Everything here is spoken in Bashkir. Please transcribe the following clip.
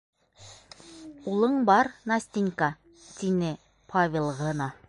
Улың бар, Настенька, - тине Павел ғына.